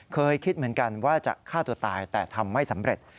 เคยคิดเหมือนกันว่าจะฆ่าตัวตายแต่ทำไม่สำเร็จ